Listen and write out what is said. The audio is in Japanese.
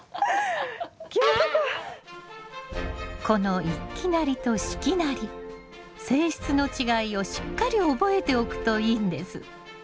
この一季なりと四季なり性質の違いをしっかり覚えておくといいんです。